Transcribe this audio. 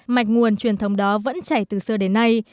mạch nguồn truyền thống đó vẫn chảy từ xưa đến nay